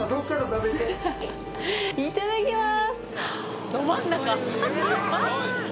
いただきます！